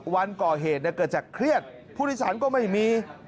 วันก่อเหตุเกิดจากเครียดผู้โดยสารก็ไม่มี